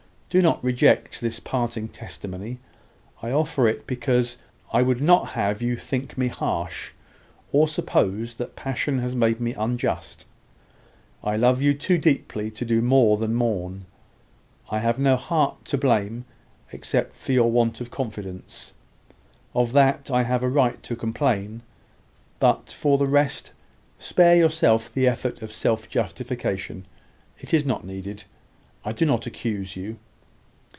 Do not reject this parting testimony. I offer it because I would not have you think me harsh, or suppose that passion has made me unjust. I love you too deeply to do more than mourn. I have no heart to blame, except for your want of confidence. Of that I have a right to complain: but, for the rest, spare yourself the effort of self justification. It is not needed. I do not accuse you.